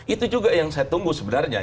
itu juga yang saya tunggu sebenarnya